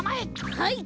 はい！